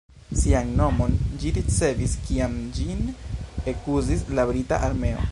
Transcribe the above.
Sian nomon ĝi ricevis kiam ĝin ekuzis la Brita Armeo.